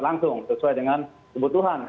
langsung sesuai dengan kebutuhan